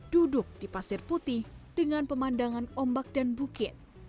duduk di pasir putih dengan pemandangan ombak dan bukit